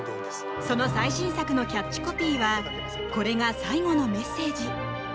その最新作のキャッチコピーはこれが最後のメッセージ。